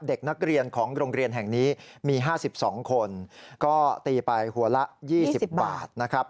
เด็กนักเรียนของโรงเรียนแห่งนี้มี๕๒คนก็ตีไปหัวละ๒๐บาทนะครับ